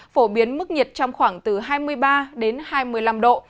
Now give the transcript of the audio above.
phổ biến mức nhiệt trong khoảng từ hai mươi ba đến hai mươi năm độ